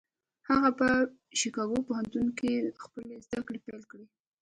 هغه په شيکاګو پوهنتون کې خپلې زدهکړې پيل کړې.